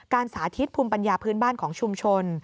สาธิตภูมิปัญญาพื้นบ้านของชุมชน